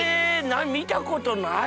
何見たことない。